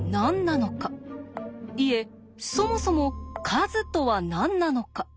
いえそもそも「数」とは何なのか？